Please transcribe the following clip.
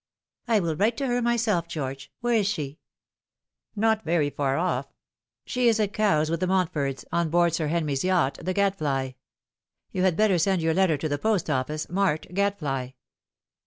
" I will write to her myself, George. Where is she ?"" Not very far off. She is at Cowes with the Mountfords, on board Sir Henry's ^acht the Gadfly. You had better send your letter to the post office, marked Gadfly."